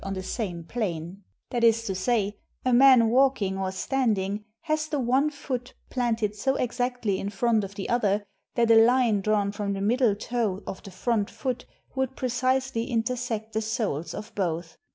HOW THE EGYPTIANS PAINTED PORTRAITS say, a man walking or standing has the one foot planted so exactly in front of the other that a line drawn from the middle toe of the front foot would precisely inter sect the soles of both.